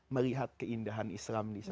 melihat keindahan islam disana